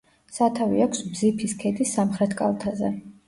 სათავე აქვს ბზიფის ქედის სამხრეთ კალთაზე.